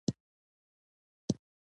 او له اشنایۍ وروسته ورسره اړیکه جوړه کړئ.